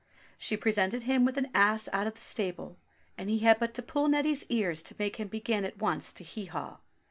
So she presented him with an ass out of the stable, and he had but to pull Neddy's ears to make him begin at once to hee haw !